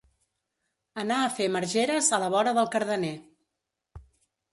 Anar a fer margeres a la vora del Cardener.